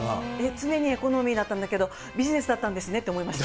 常にエコノミーだったんですけど、ビジネスだったんですねって思いました。